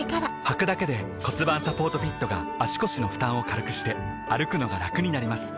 はくだけで骨盤サポートフィットが腰の負担を軽くして歩くのがラクになります